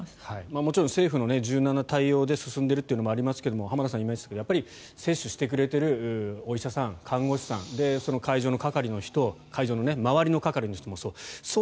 もちろん政府の柔軟な対応で進んでいるというのもありますが浜田さんが今、言いましたようにやっぱり接種してくれているお医者さん、看護師さん会場の係の人会場の周りの係の人もそう。